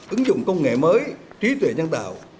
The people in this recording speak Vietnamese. ứng dụng công nghệ mới trí tuệ nhân tạo